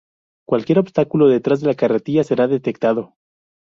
Cualquier obstáculo detrás de la carretilla será detectado.